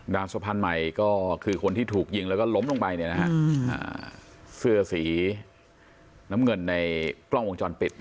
สะพานใหม่ก็คือคนที่ถูกยิงแล้วก็ล้มลงไปเนี่ยนะฮะเสื้อสีน้ำเงินในกล้องวงจรปิด